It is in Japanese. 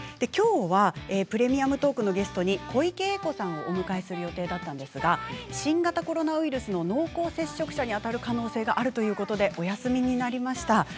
きょうは「プレミアムトーク」のゲストに小池栄子さんをお迎えする予定だったんですが新型コロナウイルスの濃厚接触者にあたる可能性があるということでお休みになりました。